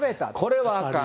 これはあかん。